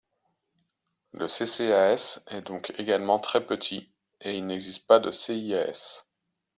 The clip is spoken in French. Le CCAS est donc également très petit, et il n’existe pas de CIAS.